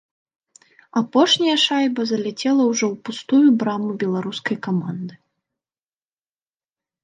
Апошняя шайба заляцела ўжо ў пустую браму беларускай каманды.